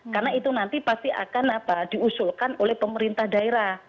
karena itu nanti pasti akan apa diusulkan oleh pemerintah daerah